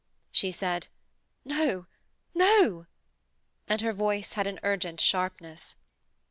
She said: 'No, no!' and her voice had an urgent sharpness.